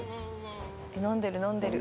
「飲んでる飲んでる」